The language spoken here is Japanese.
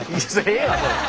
ええわそれ！